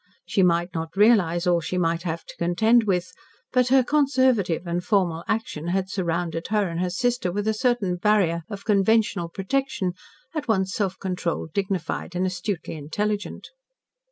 She might not realise all she might have to contend with, but her conservative and formal action had surrounded her and her sister with a certain barrier of conventional protection, at once self controlled, dignified, and astutely intelligent.